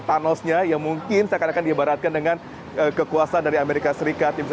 panosnya yang mungkin seakan akan diibaratkan dengan kekuasaan dari amerika serikat yang bisa